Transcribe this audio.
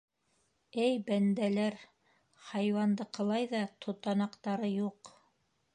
Эй, бәндәләр... хайуандыҡылай ҙа тотанаҡтары юҡ...